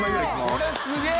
これすげぇ！